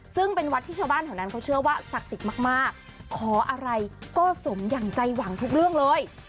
ซึ่งเป็นวัดที่ชาวบ้านแถวนั้นเขาเชื่อว่าศักดิ์สิทธิ์มากขออะไรก็สมอย่างใจหวังทุกเรื่องเลย